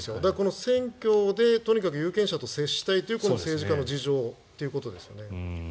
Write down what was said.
選挙でとにかく有権者と接したいという政治家の事情ということですね。